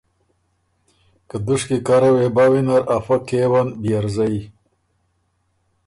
که دُشکی کره وې بَۀ وینر افۀ کېون بيې ر زئ